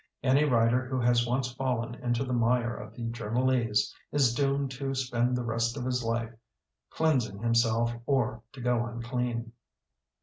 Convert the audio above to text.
Any writer who has once fallen into the mire of the journalese is doomed to spend the rest of his life cleansing himself or to go unclean.